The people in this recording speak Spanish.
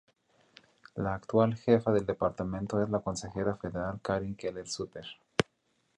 La actual jefa del departamento es la consejera federal Karin Keller-Sutter.